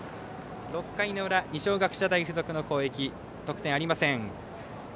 ６回の裏、二松学舎大付属の攻撃得点ありません。